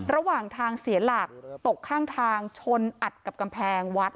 ระหว่างทางเสียหลักตกข้างทางชนอัดกับกำแพงวัด